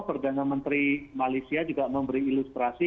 perdana menteri malaysia juga memberi ilustrasi